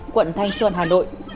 quận thanh xuân hà nội